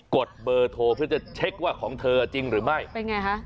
ดเบอร์โทรเพื่อจะเช็คว่าของเธอจริงหรือไม่เป็นไงฮะ